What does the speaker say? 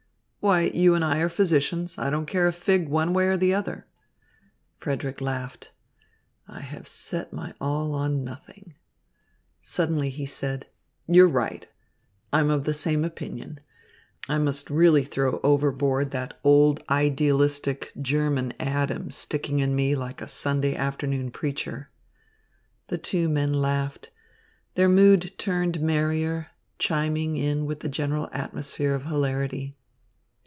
"Why, you and I are physicians. I don't care a fig one way or the other." Frederick laughed. "I have set my all on nothing." Suddenly he said: "You're right. I'm of the same opinion. I must really throw overboard that old idealistic German Adam sticking in me like a Sunday afternoon preacher." The two men laughed. Their mood turned merrier, chiming in with the general atmosphere of hilarity.